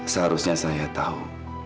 seharusnya saya tahu